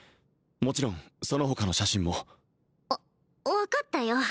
もちろんその他の写真もわ分かったよ